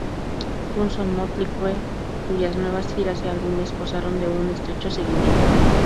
Guns o Mötley Crüe, cuyas nuevas giras y álbumes gozaron de un estrecho seguimiento.